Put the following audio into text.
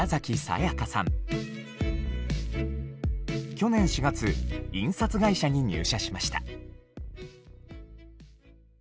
去年４月印刷会社に入社しました。